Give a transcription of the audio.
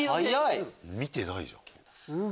見てないじゃん。